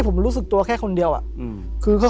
ผมก็ไม่เคยเห็นว่าคุณจะมาทำอะไรให้คุณหรือเปล่า